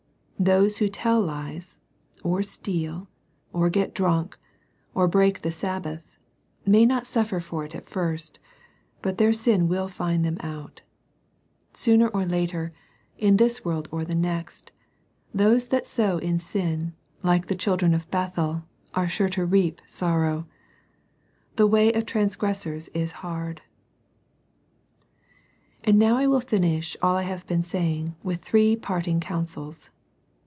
Those who tell lies, or steal, or get drunk, or break the Sabbath, may not suffer for it at first. But their sin will find them out. ^owi^^ <^'i\&x^> c r8 SERMONS FOR CHILDREN. in this world or the next, those that sow sin, like the children of Bethel, are sure to reap sorrow. The way of transgressors is hard. And now I will finish all I have been saying with three parting counsels.